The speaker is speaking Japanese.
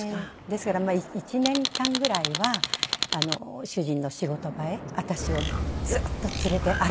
ですから１年間ぐらいは主人の仕事場へ私をずっと連れて歩きましたね。